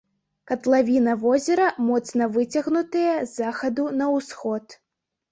Катлавіна возера моцна выцягнутая з захаду на ўсход.